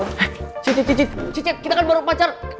eh cik cik cik cik kita kan baru pacar